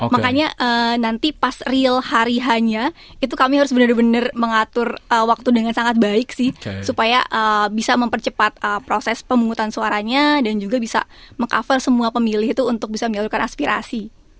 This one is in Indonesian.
makanya nanti pas real hari hanya itu kami harus benar benar mengatur waktu dengan sangat baik sih supaya bisa mempercepat proses pemungutan suaranya dan juga bisa meng cover semua pemilih itu untuk bisa menyalurkan aspirasi